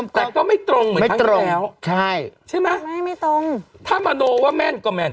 แต่ก็ไม่ตรงเหมือนไม่ตรงแล้วใช่ใช่ไหมไม่ไม่ตรงถ้ามโนว่าแม่นก็แม่น